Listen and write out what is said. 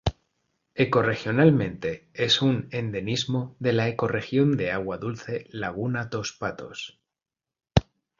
Ecorregionalmente es un endemismo de la ecorregión de agua dulce laguna dos Patos.